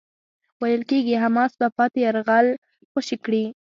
ویل کېږی حماس به پاتې يرغمل خوشي کړي.